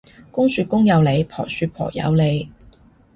公說公有理，婆說婆有理